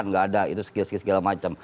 nggak ada itu skill skill segala macam